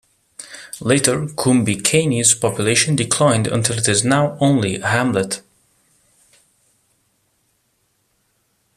Later Coombe Keynes' population declined until it is now only a hamlet.